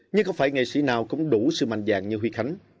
nhưng không phải nghệ sĩ nào cũng đủ sự mạnh dạng như huy khánh